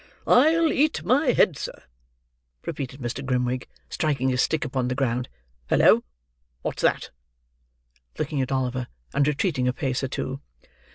"I'll eat my head, sir," repeated Mr. Grimwig, striking his stick upon the ground. "Hallo! what's that!" looking at Oliver, and retreating a pace or two.